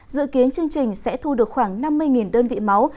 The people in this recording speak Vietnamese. dự kiến chương trình sẽ thu được khoảng năm mươi đơn vị máu